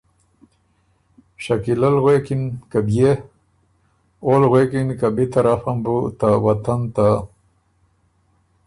شکیلۀ ل غوېکِن که ”بيې؟“ اول غوېکِن که ”بی طرفه م بُو ته وطن ته